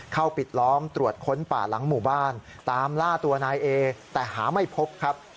ปิดล้อมตรวจค้นป่าหลังหมู่บ้านตามล่าตัวนายเอแต่หาไม่พบครับ